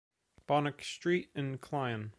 Bonnac Street, in Clion